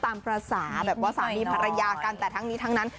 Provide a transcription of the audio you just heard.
ตามภาษาแบบว่าสามีภรรยากันแต่ทั้งนี้ทั้งนั้น